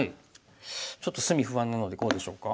ちょっと隅不安なのでこうでしょうか？